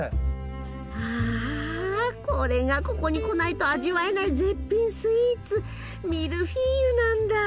あこれがここに来ないと味わえない絶品スイーツミルフィーユなんだ！